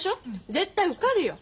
絶対受かるよ。